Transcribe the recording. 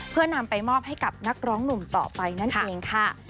เพื่อนำไปมอบให้กับนักร้องหนุ่มต่อไปนั่นเองค่ะ